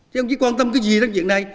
chứ ông chí quan tâm cái gì đến chuyện này